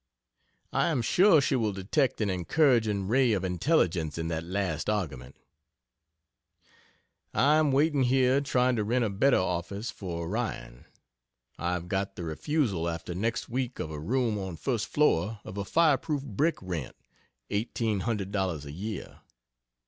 I am sure she will detect an encouraging ray of intelligence in that last argument..... I am waiting here, trying to rent a better office for Orion. I have got the refusal after next week of a room on first floor of a fire proof brick rent, eighteen hundred dollars a year.